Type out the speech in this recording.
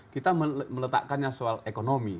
kita meletakkannya soal ekonomi